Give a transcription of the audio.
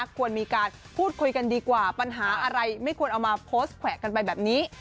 ควรมีการพูดคุยกันดีกว่าปัญหาอะไรไม่ควรเอามาโพสต์แขวะกันไปแบบนี้